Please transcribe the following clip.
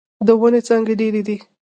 د ونې څانګې ډيرې دې.